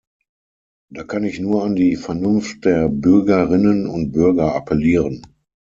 Da kann ich nur an die Vernunft der Bürgerinnen und Bürger appellieren.